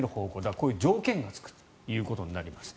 こういう条件がつくということになります。